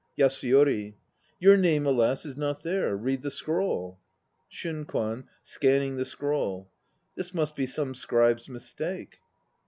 YASUYORI. Your name, alas, is not there. Read the scroll. SHUNKWAN (scanning the scroll). This must be some scribe's mistake.